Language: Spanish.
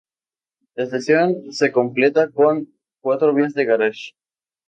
La estación se completa con cuatro vías de garaje.